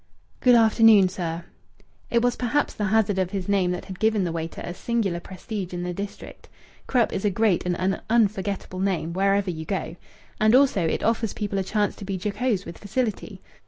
"Good afternoon, sir." It was perhaps the hazard of his name that had given the waiter a singular prestige in the district. Krupp is a great and an unforgettable name, wherever you go. And also it offers people a chance to be jocose with facility.